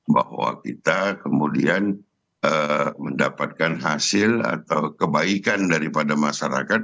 bahwa kita kemudian mendapatkan hasil atau kebaikan daripada masyarakat